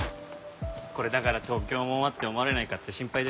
これだから東京もんはって思われないかって心配でさ。